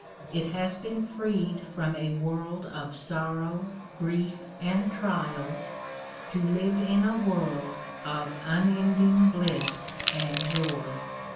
It has been freed from a world of sorrow, grief and trials to live in a world of unending bliss and joy.